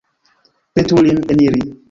Petu lin eniri.